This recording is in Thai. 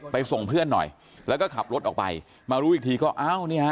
ส่งเพื่อนหน่อยแล้วก็ขับรถออกไปมารู้อีกทีก็อ้าวเนี่ยฮะ